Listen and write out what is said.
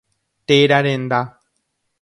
Téra renda.